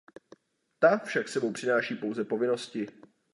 Ta však s sebou nepřináší pouze povinnosti.